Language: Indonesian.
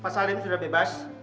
pak salim sudah bebas